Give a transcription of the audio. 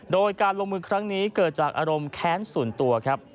โดยการลงมือครั้งนี้เกิดจากอารมณ์แค้นส่วนตัวครับ